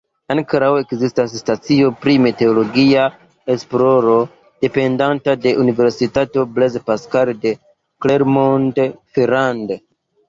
Ankoraŭ ekzistas stacio pri meteologia esploro dependanta de universitato Blaise Pascal de Clermont-Ferrand.